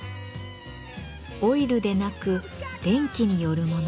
オイルでなく電気によるもの。